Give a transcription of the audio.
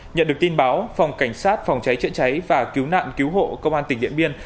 nhận được tin báo phòng cảnh sát phòng cháy chữa cháy và cứu nạn cứu hộ công an tỉnh điện biên